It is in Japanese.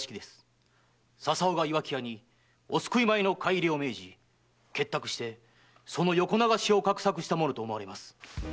笹尾が岩城屋にお救い米の買い入れを命じ結託してその横流しを画策したと思われます。